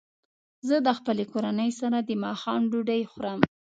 زه د خپلې کورنۍ سره د ماښام ډوډۍ خورم.